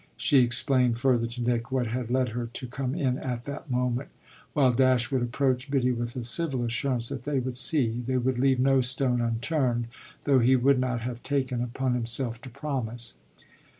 She explained further to Nick what had led her to come in at that moment, while Dashwood approached Biddy with a civil assurance that they would see, they would leave no stone unturned, though he would not have taken upon himself to promise.